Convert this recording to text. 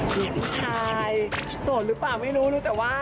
มีผู้ชายโสดหรือเปล่าไม่รู้รู้แต่ว่า